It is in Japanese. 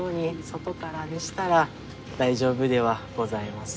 大丈夫ではございます。